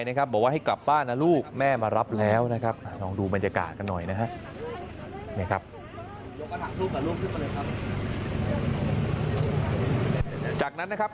บอกว่าให้กลับบ้านนะลูกแม่มารับแล้วนะครับ